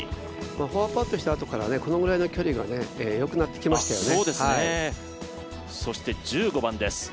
４パットしたあとからこのぐらいの距離がよくなってきましたよね。